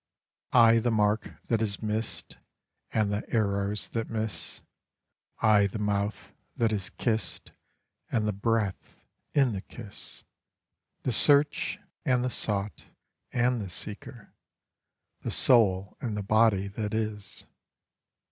I the mark that is missed And the arrows that miss, I the mouth that is kissed And the breath in the kiss, The search, and the sought, and the seeker, the soul and the body that is.